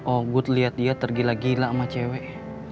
oh good liat dia tergila gila sama cewek